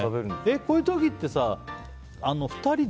こういう時って、２人で？